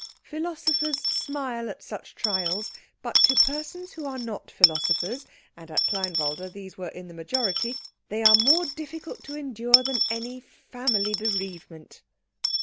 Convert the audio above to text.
Philosophers smile at such trials; but to persons who are not philosophers, and at Kleinwalde these were in the majority, they are more difficult to endure than any family bereavement.